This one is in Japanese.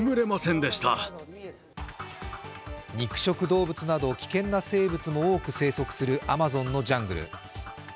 肉食動物など危険な動物も多く生存するアマゾンのジャングル。